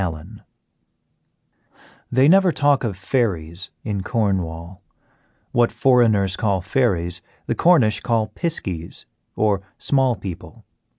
ALLEN They never talk of fairies in Cornwall; what "foreigners" call fairies the Cornish call "piskies," or "small people."